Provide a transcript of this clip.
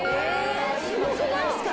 すごくないっすか？